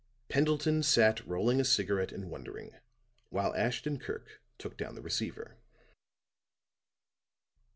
Pendleton sat rolling a cigarette and wondering, while Ashton Kirk took down the receiver.